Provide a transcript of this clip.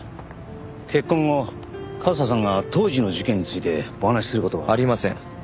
結婚後和沙さんが当時の事件についてお話しする事は？ありません。